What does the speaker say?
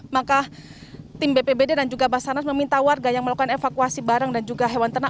maka tim bpbd dan juga basarnas meminta warga yang melakukan evakuasi barang dan juga hewan ternak